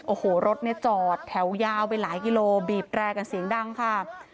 โอ้โหรถเนี่ยจอดแถวยาวไปหลายกิโลบีบแร่กันเสียงดังค่ะ